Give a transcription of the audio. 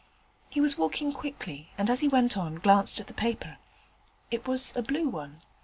He was walking quickly, and as he went on glanced at the paper. It was a blue one.